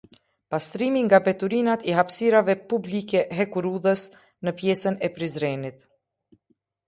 Pastrimi nga mbeturinat i hapësirave publikehekurudhës në pjesën e Prizrenit